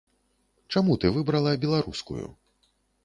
Чаму ты выбрала беларускую?